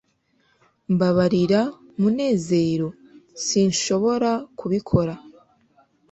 mbabarira, munezero, sinshobora kubikora